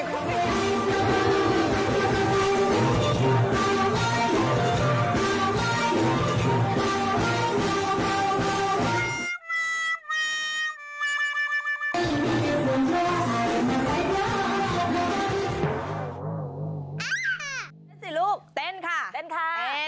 นั่นสิลูกเต้นค่ะเต้นค่ะ